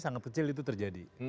sangat kecil itu terjadi